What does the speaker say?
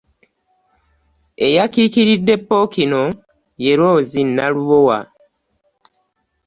Eyakiikiridde Ppookino, ye Rose Nalubowa,